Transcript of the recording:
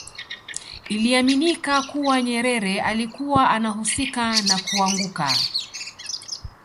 Iliaminika kuwa Nyerere alikuwa anahusika na kuanguka